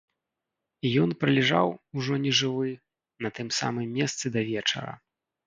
Ён пралежаў, ужо нежывы, на тым самым месцы да вечара.